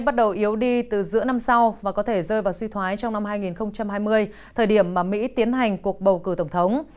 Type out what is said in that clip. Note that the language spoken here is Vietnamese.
nền kinh tế mỹ sẽ bắt đầu yếu đi từ giữa năm sau và có thể rơi vào suy thoái trong năm hai nghìn hai mươi thời điểm mỹ tiến hành cuộc bầu cử tổng thống